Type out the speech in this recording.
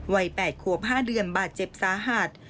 วัย๘ขวบ๕เดือนบาดเจ็บสาหัส